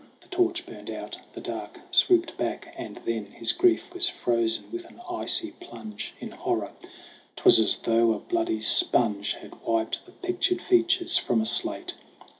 The torch burned out, the dark swooped back, and then ' His grief was frozen with an icy plunge In horror. 'Twas as though a bloody sponge Had wiped the pictured features from a slate